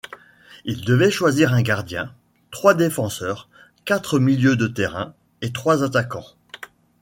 Ils devaient choisir un gardien, trois défenseurs, quatre milieux de terrain et trois attaquants.